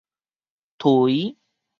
槌